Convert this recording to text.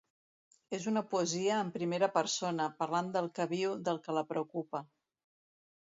És una poesia en primera persona, parlant del que viu, del que la preocupa.